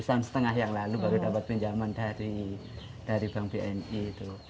setahun setengah yang lalu baru dapat pinjaman dari bank bni itu